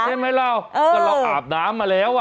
ใช่ไหมเราก็เราอาบน้ำมาแล้ว